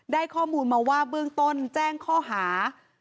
ได้ข้อมูลมาว่าเบื้องต้นแจ้งข้อหา